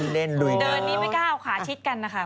เดินนี่ไม่กล้าเอาขาชิดกันนะคะ